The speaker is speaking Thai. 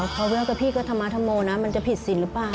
พอเวลากับพี่ก็ถมาธมโมนะมันจะผิดศิลป่าว